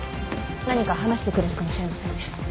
何か話してくれるかもしれませんね。